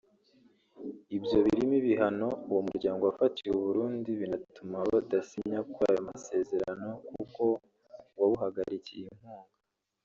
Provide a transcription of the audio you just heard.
Ibyo birimo ibihano uwo muryango wafatiye u Burundi binatuma budasinya kuri ayo masezerano kuko wabuhagarikiye inkunga